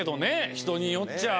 人によっちゃあ。